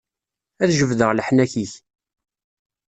Ad jebdeɣ leḥnak-ik.